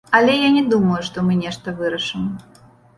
Але я не думаю, што мы нешта вырашым.